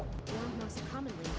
informasinya ramai disebar lewat whatsapp